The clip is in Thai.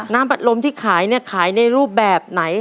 พัดลมที่ขายเนี่ยขายในรูปแบบไหน